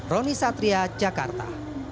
roni satria jakarta